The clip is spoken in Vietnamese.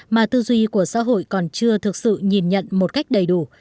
mà tư duy của xã hội còn chưa thực sự nhìn nhận một cách đầy đủ